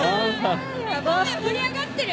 盛り上がってる？